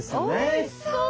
おいしそう！